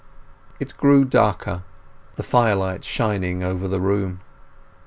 It grew darker, the fire light shining over the room.